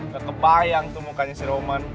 gak kebayang tuh mukanya si roman